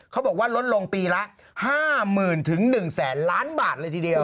เขาบอกว่าลดลงปีละ๕หมื่นถึง๑แสนล้านบาทเลยทีเดียว